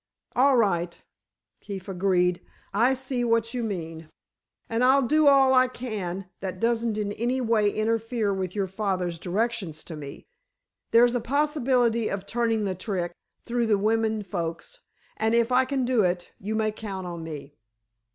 "All right," Keefe agreed. "I see what you mean, and I'll do all I can that doesn't in any way interfere with your father's directions to me. There's a possibility of turning the trick through the women folks, and if I can do it, you may count on me."